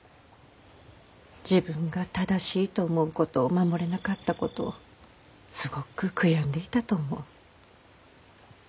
自分が正しいと思うことを守れなかったことをすごく悔やんでいたと思う。